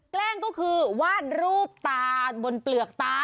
แกล้งก็คือวาดรูปตาบนเปลือกตา